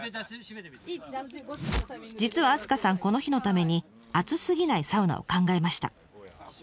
実は明日香さんこの日のために熱すぎないサウナを考えました。